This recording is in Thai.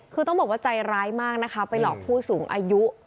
คือต้องบอกว่าใจร้ายมากนะคะไปหลอกผู้สูงอายุ